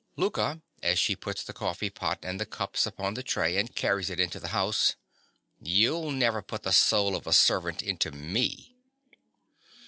_) LOUKA. (as she puts the coffee pot and the cups upon the tray, and carries it into the house). You'll never put the soul of a servant into me.